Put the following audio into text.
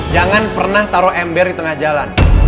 jangan pernah taruh ember di tengah jalan